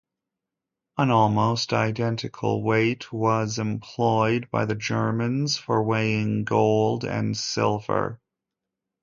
An almost identical weight was employed by the Germans for weighing gold and silver.